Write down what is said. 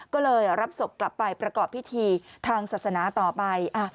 ก็เลยรับศพกลับไปประกอบพิธีทางศาสนาต่อไป